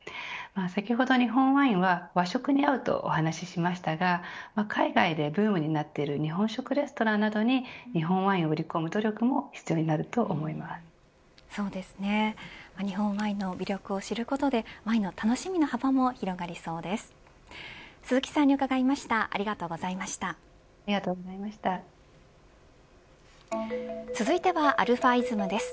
先ほど日本ワインは和食に合うとお話しましたが海外でブームになっている日本食レストランなどに日本ワインを売り込む努力もそうですね日本ワインの魅力を知ることでワインの楽しみの幅も広がりそうです。